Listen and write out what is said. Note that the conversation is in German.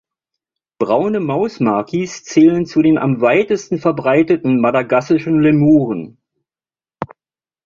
Braune Mausmakis zählen zu den am weitesten verbreiteten madagassischen Lemuren.